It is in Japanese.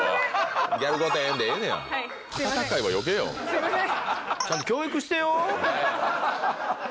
すいません！